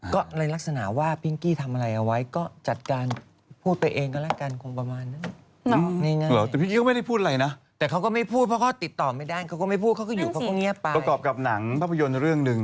ก็ในลักษณะว่าพิ้งกี้ทำอะไรเอาไว้ก็จัดการพูดไปเองก็ละกันคงประมาณนึง